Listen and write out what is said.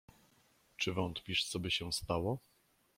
"Czy wątpisz, coby się stało?"